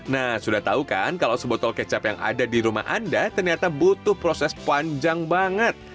nah sudah tahu kan kalau sebotol kecap yang ada di rumah anda ternyata butuh proses panjang banget